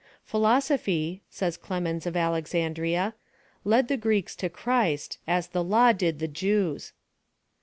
« Philosophy,'' «»ys Clemens of Alex nndria, « led the Greeks to Christ, as the law did the Jews."